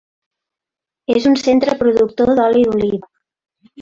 És un centre productor d'oli d'oliva.